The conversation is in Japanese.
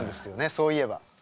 そういえば。